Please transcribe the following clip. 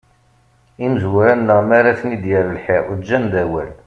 Imezwura-nneɣ mara ten-id-yerr lḥiḍ, ǧǧan-d awal.